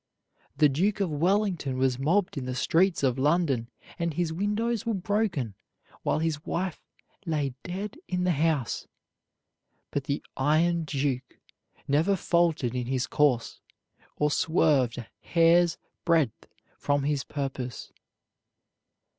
The Duke of Wellington was mobbed in the streets of London and his windows were broken while his wife lay dead in the house; but the "Iron Duke" never faltered in his course, or swerved a hair's breadth from his purpose.